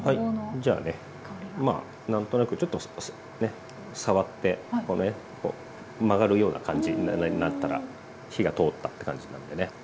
じゃあねまあなんとなくちょっとね触ってこうねこう曲がるような感じになったら火が通ったって感じなんでね。